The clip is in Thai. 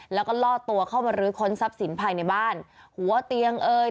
แล้วก็ล่อตัวเข้ามาลื้อค้นทรัพย์สินภายในบ้านหัวเตียงเอ่ย